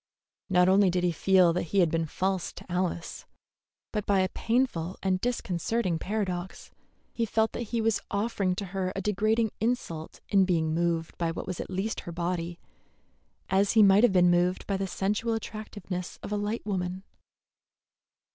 Not only did he feel that he had been false to Alice, but by a painful and disconcerting paradox he felt that he was offering to her a degrading insult in being moved by what at least was her body, as he might have been moved by the sensual attractiveness of a light woman.